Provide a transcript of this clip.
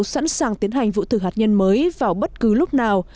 sẵn sàng tiến hành vụ thử hạt nhân mới vào bất cứ lúc nào